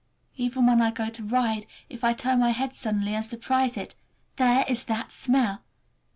Even when I go to ride, if I turn my head suddenly and surprise it—there is that smell!